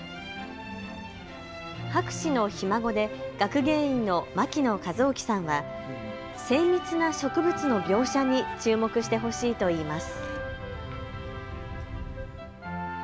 博士のひ孫で学芸員の牧野一おきさんは、精密な植物の描写に注目してほしいといいます。